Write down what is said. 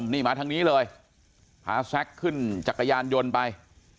นี่มาทางนี้เลยพาแซคขึ้นจักรยานยนต์ไป